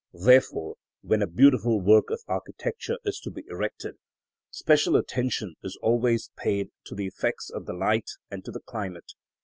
Therefore, when a beautiful work of architecture is to be erected, special attention is always paid to the effects of the light and to the climate.